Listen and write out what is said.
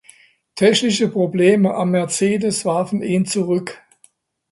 Technische Probleme am Mercedes warfen in zurück.